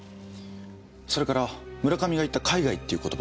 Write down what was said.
それから村上が言った「海外」っていう言葉。